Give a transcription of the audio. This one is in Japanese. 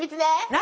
何？